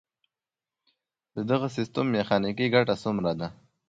د دغه سیستم میخانیکي ګټه څومره ده؟